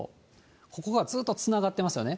ここがずっとつながっていますよね。